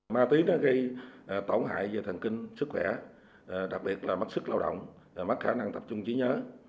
ma túy đã gây tổn hại về thần kinh sức khỏe đặc biệt là mất sức lao động mất khả năng tập trung trí nhớ